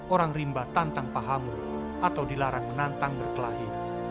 orang rimba tantang pahammu atau dilarang menantang berkelahi